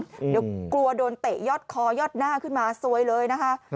เดี๋ยวกลัวโดนเตะยอดคอยอดหน้าขึ้นมาซวยเลยนะคะ